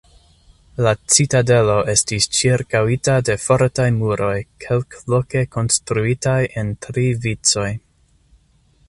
La citadelo estis ĉirkaŭita de fortaj muroj kelkloke konstruitaj en tri vicoj.